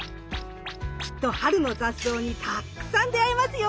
きっと春の雑草にたっくさん出会えますよ。